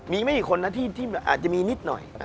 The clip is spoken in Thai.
มีไม่กี่คนนะที่อาจจะมีนิดหน่อย